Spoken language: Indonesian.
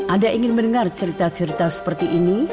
anda ingin mendengar cerita cerita seperti ini